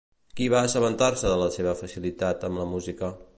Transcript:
Qui va assabentar-se de la seva facilitat amb la música?